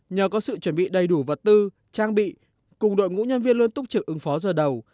nhờ có sự chuẩn bị đầy đủ vật tư trang bị cùng đội ngũ nhân viên luôn túc trực ứng phó giờ đầu